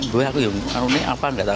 dua aku yang empuk arunnya apa nggak tahu